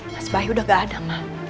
mas bayu udah gak ada mah